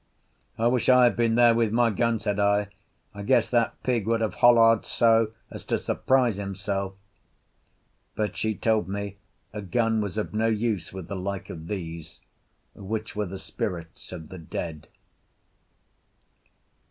"I wish I had been there with my gun," said I. "I guess that pig would have holla'd so as to surprise himself." But she told me a gun was of no use with the like of these, which were the spirits of the dead.